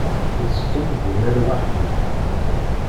Tezgam dima lwaḥid.